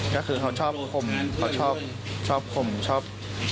ก็คือเขาชอบคมเขาชอบคมชอบ